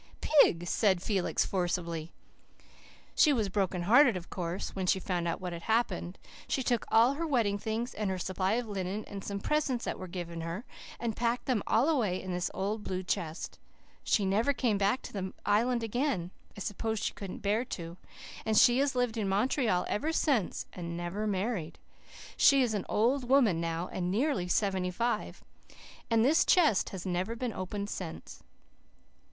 "Pig!" said Felix forcibly. "She was broken hearted of course. When she found out what had happened, she took all her wedding things, and her supply of linen, and some presents that had been given her, and packed them all away in this old blue chest. Then she went away back to Montreal, and took the key with her. She never came back to the Island again I suppose she couldn't bear to. And she has lived in Montreal ever since and never married. She is an old woman now nearly seventy five. And this chest has never been opened since."